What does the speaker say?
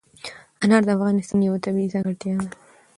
انار د افغانستان یوه طبیعي ځانګړتیا ده.